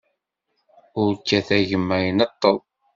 Ur kkat, a gma, ineṭṭeḍ.